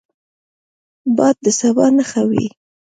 باد د سبا نښه وي